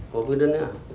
kopi dan ya